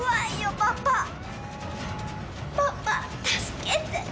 パパ助けて。